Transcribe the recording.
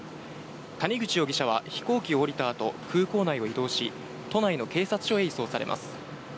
谷口容疑者は飛行機を降りたあと、空港内を移動し、都内の警察署へ移送されます。